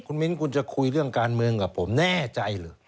คุณมิ้นคุณจะคุยเรื่องการเมืองกับผมแน่ใจเหรอ